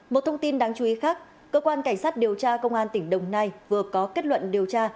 một thông tin đáng chú ý khác cơ quan cảnh sát điều tra công an tỉnh đồng nai vừa có kết luận điều tra